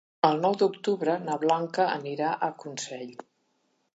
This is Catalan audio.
El nou d'octubre na Blanca anirà a Consell.